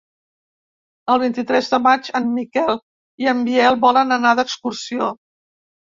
El vint-i-tres de maig en Miquel i en Biel volen anar d'excursió.